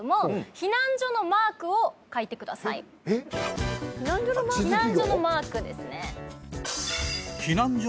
避難所のマークですね地図記号？